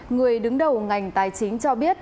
người đứng đầu ngành tài chính cho biết